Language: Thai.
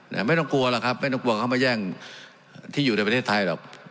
ไม่ต้องกลัวหรอกครับไม่ต้องกลัวเขามาแย่งที่อยู่ในประเทศไทยหรอก